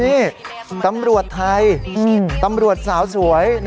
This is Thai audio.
นี่ตำรวจไทยตำรวจสาวสวย